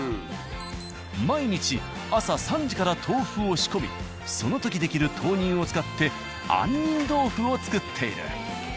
毎日朝３時から豆腐を仕込みその時出来る豆乳を使って杏仁豆腐を作っている。